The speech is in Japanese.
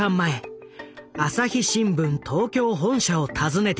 朝日新聞東京本社を訪ねていた。